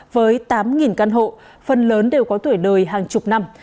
với tám căn hộ phần lớn đều có tuổi đời hàng chục năm